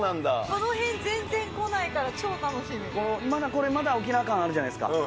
この辺、全然来ないから、まだこれ、まだ沖縄感あるじゃないですか。